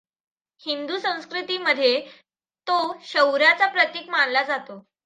हिंदू संस्कृतीमध्ये तो शौर्याचे प्रतीक मानला जातो.